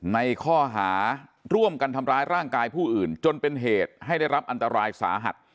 ในข้อหาร่วมกันทำร้ายร่างกายผู้อื่นจนเป็นเหตุให้ได้รับอันตรายสาหัส